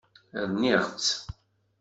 Rniɣ-tt.